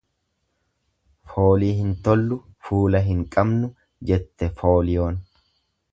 Foolii hin tollu, fuula hin qabnu, jette fooliyoon.